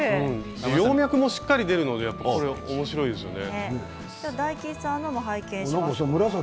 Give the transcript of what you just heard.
葉脈がしっかり出ていておもしろいですね。